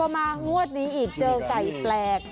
พอมางวดนี้อีกเจอกัยแปลก